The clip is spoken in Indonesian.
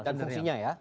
dan fungsinya ya